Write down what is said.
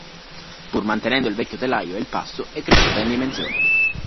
Pur mantenendo il vecchio telaio e il passo è cresciuta in dimensioni.